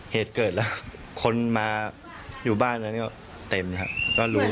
เหตุเกิดแล้วคนมาอยู่บ้านแล้วก็เต็มครับก็รู้